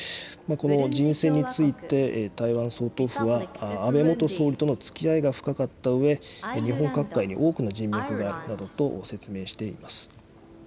この人選について、台湾総統府は、安倍元総理とのつきあいが深かったうえ、日本各界に多くの人脈があるなどと説明しています。